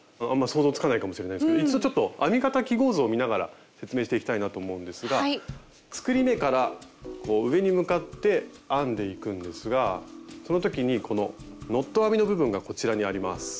想像つかないかもしれないですけど一度ちょっと編み方記号図を見ながら説明していきたいなと思うんですが作り目から上に向かって編んでいくんですがその時にこのノット編みの部分がこちらにあります。